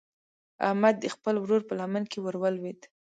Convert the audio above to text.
احمد د خپل ورور په لمن کې ور ولوېد.